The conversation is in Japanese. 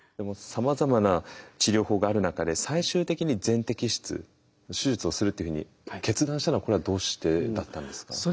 さまざまな治療法がある中で最終的に全摘出手術をするっていうふうに決断したのはこれはどうしてだったんですか？